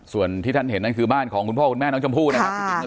ส่วนที่ท่านเห็นนั่นคือบ้านของคุณพ่อคุณแม่น้องชมพู่นะครับ